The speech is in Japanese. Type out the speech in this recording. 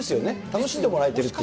楽しんでもらえてるって。